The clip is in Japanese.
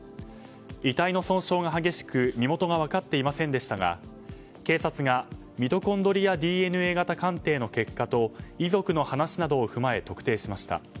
遺体の損傷が激しく身元が分かっていませんでしたが警察が、ミトコンドリアＤＮＡ型鑑定の結果と遺族の話などを踏まえ特定しました。